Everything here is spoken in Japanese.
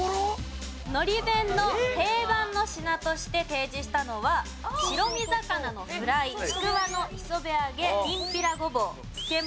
のり弁の定番の品として提示したのは白身魚のフライちくわの磯辺揚げきんぴらごぼう漬け物。